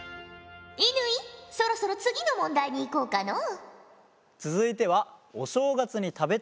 乾そろそろ次の問題にいこうかのう。